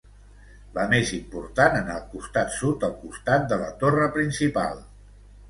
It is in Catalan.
La més important en el costat sud al costat de la torre principal.